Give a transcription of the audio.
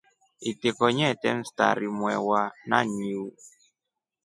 Itiko nyete mstari mwewa na njiu.